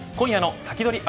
今夜のサキドリ！